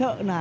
nói chung là